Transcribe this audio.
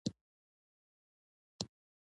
سپکوالی او بازار هم درپورې خاندي.